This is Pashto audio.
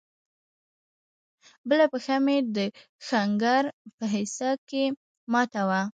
بله پښه مې د ښنگر په حصه کښې ماته وه.